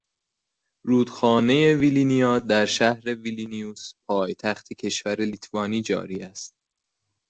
رودخانه ویلینیا در شهر ویلنیوس پایتخت کشور لیتوانی جاری است